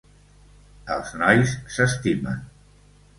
Els nois s'estimen.